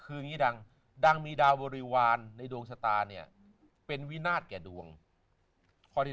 เองนะมีดาวบริวารในดวงชะตาเนี่ยเป็นวินาทแก่ดวงข้อที่